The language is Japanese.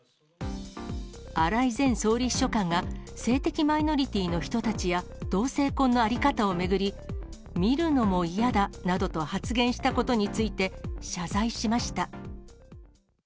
荒井前総理秘書官が性的マイノリティーの人たちや、同性婚の在り方を巡り、見るのも嫌だなどと発言したことについて、謝罪しました。